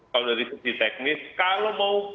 kalau dari sisi teknis kalau mau